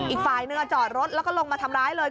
อีกฝ่ายหนึ่งจอดรถแล้วก็ลงมาทำร้ายเลย